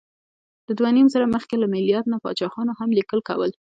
د دوهنیمزره مخکې له میلاد نه پاچاهانو هم لیکل کول.